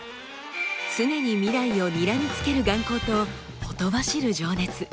常に未来をにらみつける眼光とほとばしる情熱。